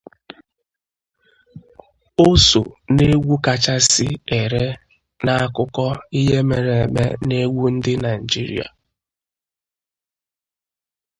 O so na egwu kachasị ere n'akụkọ ihe mere eme na egwu ndị Naịjirịa.